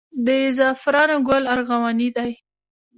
د زعفرانو ګل ارغواني دی